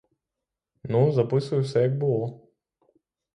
Ну, записую все, як було.